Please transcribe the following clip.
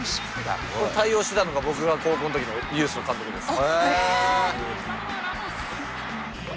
ここで対応してたのが僕が高校の時のユースの監督です。